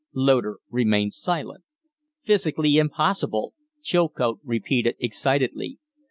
Loder remained silent. "Physically impossible," Chilcote repeated, excitedly.